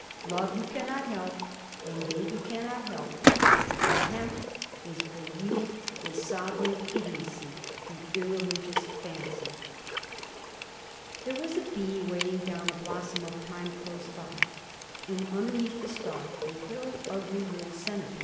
Love you cannot help, and hate you cannot help; but contempt is—for you—the sovereign idiocy, the irreligious fancy!" There was a bee weighing down a blossom of thyme close by, and underneath the stalk a very ugly little centipede.